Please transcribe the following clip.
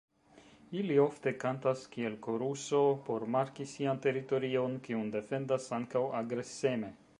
Ili ofte kantas kiel koruso por marki sian teritorion, kiun defendas ankaŭ agreseme.